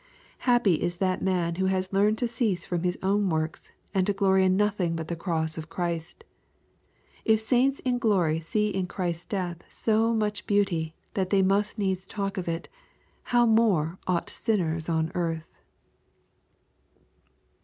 Happy is that man who has learned to cease from his own v?orks, and to glory in nothing but the cross of Christ 1 If saints in glory see in Christ's death so m uch b eauty, that they must needs talk of it, how much more ou ght sin ners on earth